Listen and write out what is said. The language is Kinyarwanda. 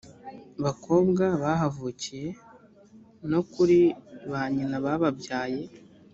bakobwa bahavukiye no kuri ba nyina bababyaye